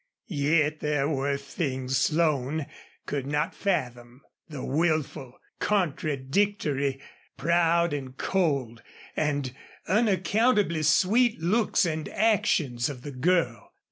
Yet there were things Slone could not fathom the wilful, contradictory, proud and cold and unaccountably sweet looks and actions of the girl.